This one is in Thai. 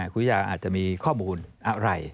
คุณวิทยาอาจจะมีข้อมูลอะไร